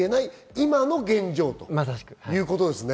今の現状ということですね。